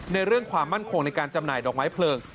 เรื่องความมั่นคงในการจำหน่ายดอกไม้เพลิง